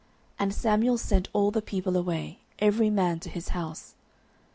And Samuel sent all the people away, every man to his house.